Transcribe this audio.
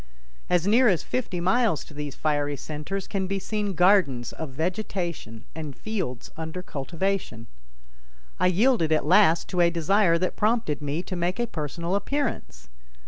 As near as fifty miles to these fiery centers can be seen gardens of vegetation and fields under cultivation. I yielded at last to a desire that prompted me to make a personal appearance.